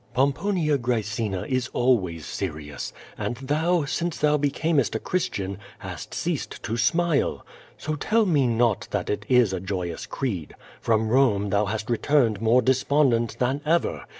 Pomponia Graecina is always serious, and thou, since thou becamest a Christian, hast ceased to smile. So tell me not that it is a joyous creed. From Rome thou hast re turned more despondent than ever.